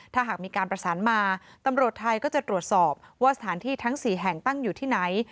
ถ้าหากมีการประสานมาตำรวจไทยก็จะตรวจสอบว่าสถานที่ทั้ง๔แห่งตั้งอยู่ที่ไหน